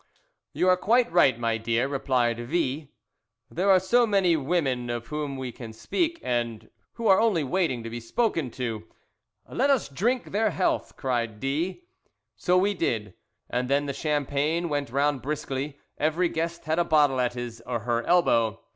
"You are quite right, my dear," replied V . "There are so many women of whom we can speak, and who are only waiting to be spoken to " "Let us drink their health," cried D . So we did, and then the champagne went round briskly; every guest had a bottle at his or her elbow.